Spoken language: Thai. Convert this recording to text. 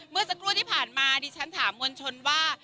เมื่อสักครู่ที่ผ่านมาดิฉันถามมวลชนว่า